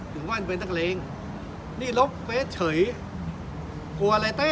ถึงว่ามันเป็นนักเลงนี่ลบเฟสเฉยกลัวอะไรเต้